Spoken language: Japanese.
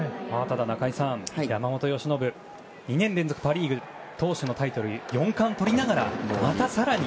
中居さん、山本由伸２年連続パ・リーグ投手のタイトル４冠とりながらまた更に。